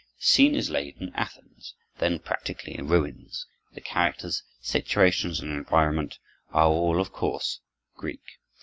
The scene is laid in Athens, then practically in ruins. The characters, situations, and environment are all, of course, Greek.